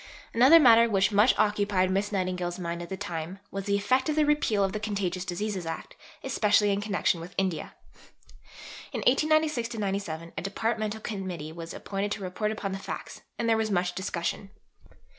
Another matter which much occupied Miss Nightingale's mind at this time was the effect of the repeal of the Contagious Diseases Act, especially in connection with India. In 1896 97 a Departmental Committee was appointed to report upon the facts, and there was much discussion.